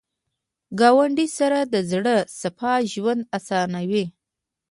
ګاونډي سره د زړه صفا ژوند اسانوي